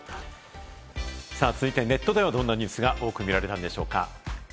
続いてネットではどんなニュースが多く見られたんでしょうか。